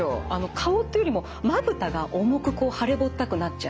顔というよりもまぶたが重く腫れぼったくなっちゃう。